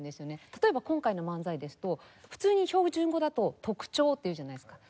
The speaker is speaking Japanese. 例えば今回の漫才ですと普通に標準語だと「とくちょう」って言うじゃないですか。